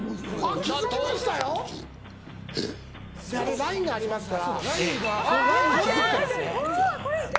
ラインがありますから。